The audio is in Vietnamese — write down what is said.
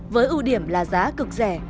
với ưu điểm là giá cực rẻ